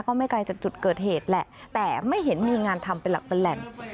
ไม่ไกลจากจุดเกิดเหตุแหละแต่ไม่เห็นมีงานทำเป็นหลักเป็นแหล่ง